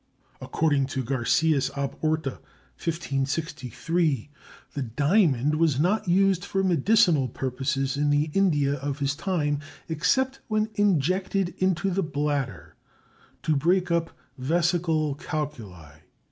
According to Garcias ab Orta (1563), the diamond was not used for medicinal purposes in the India of his time, except when injected into the bladder to break up vesical calculi.